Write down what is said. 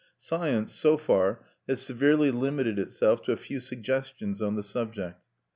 Science, so far, has severely limited itself to a few suggestions on the subject.